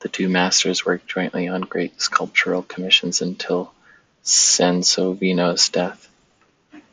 The two masters worked jointly on great sculptural commissions until Sansovino's death.